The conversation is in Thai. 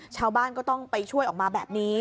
ชาวบ้านก็ต้องไปช่วยออกมาแบบนี้